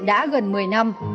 đã gần một mươi năm